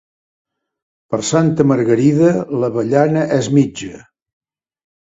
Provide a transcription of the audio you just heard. Per Santa Margarida l'avellana és mitja.